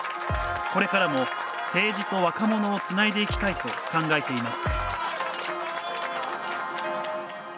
これからも政治と若者をつないでいきたいと考えています。